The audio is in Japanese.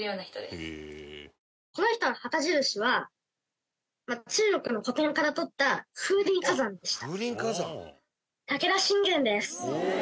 この人の旗印は中国の古典から取った風林火山でした。